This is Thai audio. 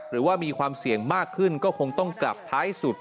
หรือว่ามีความเสี่ยงมากขึ้นก็คงต้องกลับท้ายสุด